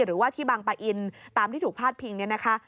หรือว่าที่บางปะอินตามที่ถูกพาดพิงเนี่ยนะคะ